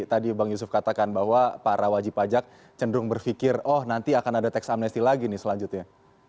tadi bang yusuf katakan bahwa para wajib pajak cenderung berpikir oh nanti akan ada teks amnesti lagi nih selanjutnya